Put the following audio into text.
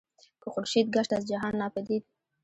که خورشید گشت از جهان ناپدید